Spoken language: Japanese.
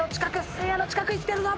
せいやの近く行ってるぞ。